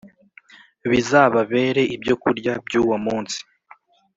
bizababere ibyo kurya by,uwo munsi